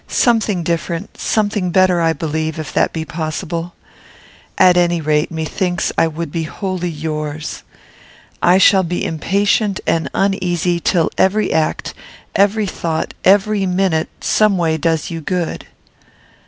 Something different; something better, I believe, if that be possible. At any rate, methinks I would be wholly yours. I shall be impatient and uneasy till every act, every thought, every minute, someway does you good.